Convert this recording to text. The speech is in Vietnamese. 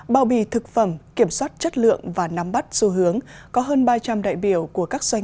bao bì thực phẩm kiểm soát chất lượng và nắm bắt xu hướng có hơn ba trăm linh đại biểu của các doanh